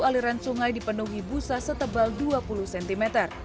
aliran sungai dipenuhi busa setebal dua puluh cm